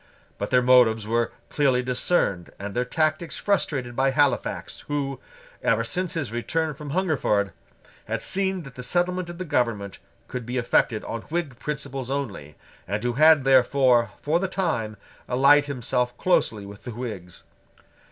But their motives were clearly discerned and their tactics frustrated by Halifax, who, ever since his return from Hungerford, had seen that the settlement of the government could be effected on Whig principles only, and who had therefore, for the time, allied himself closely with the Whigs.